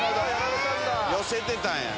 寄せてたんやんね。